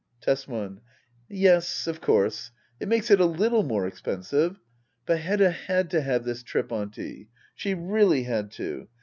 Tbsman. Yes, of course — ^it makes it a little more expen sive. But Hedda had to have this trip. Auntie ! She really had to.